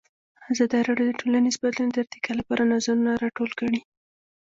ازادي راډیو د ټولنیز بدلون د ارتقا لپاره نظرونه راټول کړي.